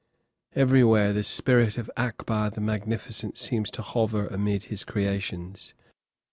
Everywhere the spirit of Akbar the Magnificent seems to hover amid his creations.